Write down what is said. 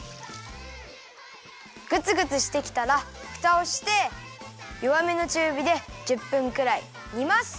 グツグツしてきたらふたをしてよわめのちゅうびで１０分くらいにます。